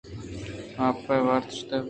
آپ ئِے وارت ءُ شُت ۔